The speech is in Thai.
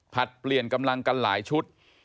เปลี่ยนกำลังกันหลายชุด